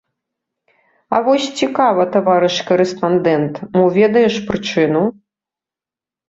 А вось цікава, таварыш карэспандэнт, мо ведаеш прычыну.